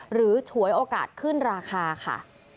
ฉวยโอกาสขึ้นราคาค่ะ